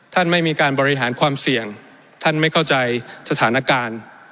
ท่านไม่มีการบริหารความเสี่ยงท่านไม่เข้าใจสถานการณ์